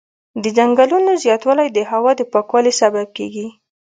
د ځنګلونو زیاتوالی د هوا د پاکوالي سبب کېږي.